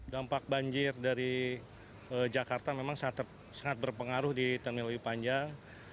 dampak banjir dari jakarta memang sangat berpengaruh di terminologi panjang